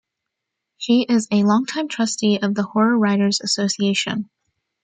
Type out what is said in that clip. She is a long time trustee of the Horror Writers Association.